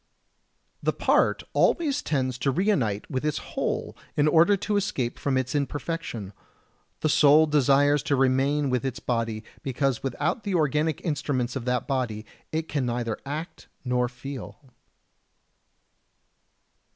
56. The part always tends to reunite with its whole in order to escape from its imperfection; the soul desires to remain with its body, because without the organic instruments of that body it can neither act nor feel.